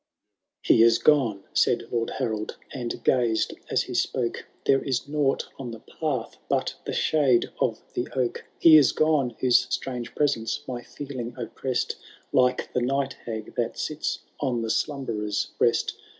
He is gone,*^Baid Lord Harold, and gazed as he spoke ;Thero is nought on the path but the shade of the oak. He is gone, whose strange presenoe my fbeUng op pressM, Like the night hag that sits on the slmnbererVi breast.